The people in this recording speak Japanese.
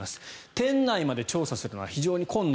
店内まで調査するのは非常に困難。